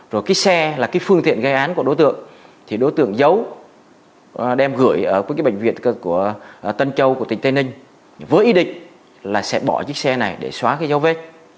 rồi cái xe là cái phương tiện gây án của đối tượng thì đối tượng giấu đem gửi ở cái bệnh viện của tân châu của tỉnh tây ninh với ý định là sẽ bỏ chiếc xe này để xóa cái dấu vết